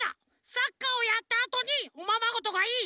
サッカーをやったあとにおままごとがいい！